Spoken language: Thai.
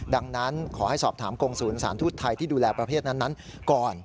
ดังนั้นขอให้สอบถามกรงศูนย์สารทูตไทยที่ดูแลประเภทนั้นก่อน